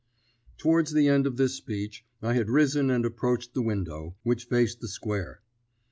Towards the end of this speech I had risen and approached the window, which faced the square.